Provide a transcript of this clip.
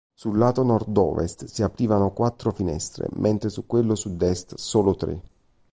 Sul lato nord-ovest si aprivano quattro finestre, mentre su quello sud-est solo tre.